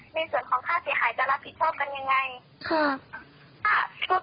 ในส่วนของค่าเสียหายจะรับผิดชอบกันยังไงค่ะ